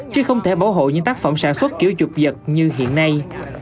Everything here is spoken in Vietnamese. chứ không thể bảo hộ những tác phẩm sản xuất kiểu chụp giật như hiện nay